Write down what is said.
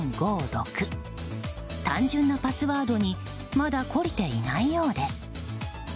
単純なパスワードにまだ、懲りていないようです。